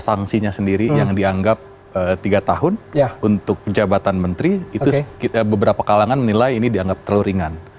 sanksinya sendiri yang dianggap tiga tahun untuk jabatan menteri itu beberapa kalangan menilai ini dianggap terlalu ringan